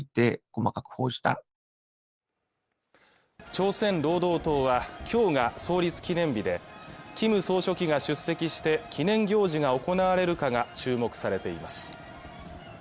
朝鮮労働党は今日が創立記念日でキム総書記が出席して記念行事が行われるかが注目されています